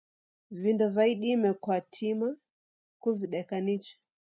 Vindo va idime kwatima kuvideka nicha